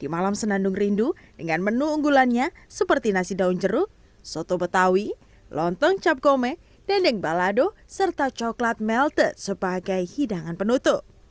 di malam senandung rindu dengan menu unggulannya seperti nasi daun jeruk soto betawi lontong cap gome dendeng balado serta coklat melte sebagai hidangan penutup